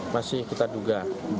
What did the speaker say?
masih kita duga